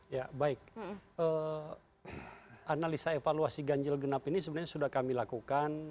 ya baik analisa evaluasi ganjil genap ini sebenarnya sudah kami lakukan